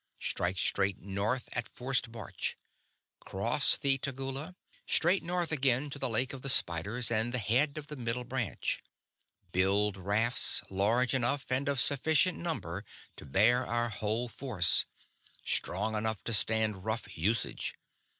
Strike straight north at forced march. Cross the Tegula. Straight north again, to the Lake of the Spiders and the head of the Middle Branch. Build rafts, large enough and of sufficient number to bear our whole force; strong enough to stand rough usage.